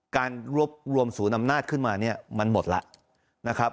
การรวมสูญอำนาจขึ้นมาเนี่ยมันหมดละนะครับ